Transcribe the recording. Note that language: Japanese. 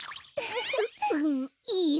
ううんいいよ。